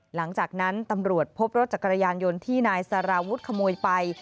หลังจากนั้นตำรวจพบรถจักรยานยนต์ที่นายสารวุฒิขโมยไป